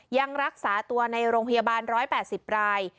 ยังรักษาตัวในโรงพยาบาล๑๘๐ราย